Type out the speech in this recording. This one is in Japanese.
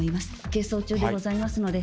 係争中でございますので。